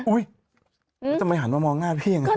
อุ๊ยทำไมหันมามองหน้าพี่อย่างนั้น